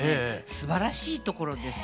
すばらしいところですよ。